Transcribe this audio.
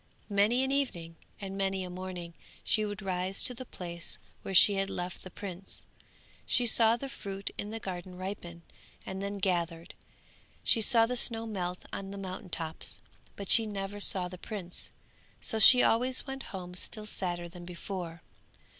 Many an evening and many a morning she would rise to the place where she had left the prince. She saw the fruit in the garden ripen, and then gathered, she saw the snow melt on the mountain tops, but she never saw the prince, so she always went home still sadder than before.